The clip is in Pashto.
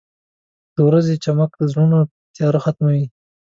• د ورځې چمک د زړونو تیاره ختموي.